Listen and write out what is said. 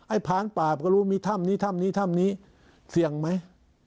พานป่าก็รู้มีถ้ำนี้ถ้ำนี้ถ้ำนี้เสี่ยงไหม